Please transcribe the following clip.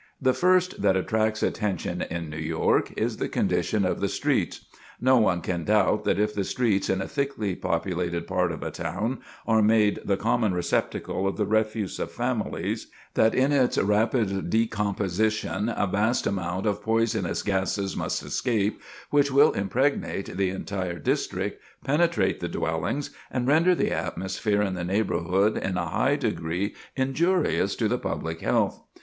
The first that attracts attention in New York is the condition of the streets. No one can doubt that if the streets in a thickly populated part of a town are made the common receptacle of the refuse of families, that in its rapid decomposition a vast amount of poisonous gases must escape, which will impregnate the entire district, penetrate the dwellings, and render the atmosphere in the neighborhood in a high degree injurious to the public health.